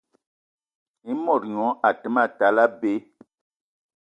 I mot gnion a te ma tal abei